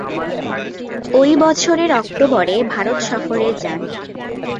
ঐ বছরের অক্টোবরে ভারত সফরে যান।